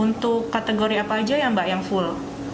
untuk kategori apa aja ya mbak yang full